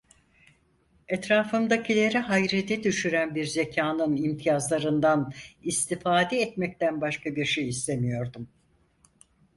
Etrafımdakileri hayrete düşüren bir zekanın imtiyazlarından istifade etmekten başka bir şey istemiyordum.